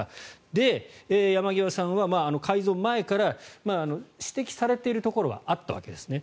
で、山際さんは改造前から指摘されているところはあったわけですね。